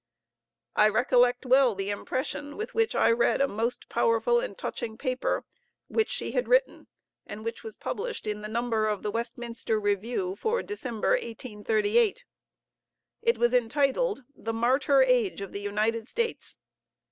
I recollect well the impression with which I read a most powerful and touching paper which she had written, and which was published in the number of the Westminster Review for December, 1838. It was entitled "The Martyr Age of the United States."